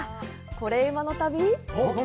「コレうまの旅」